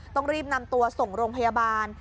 ต้องรีบนำตัวส่งโรงพยาบาล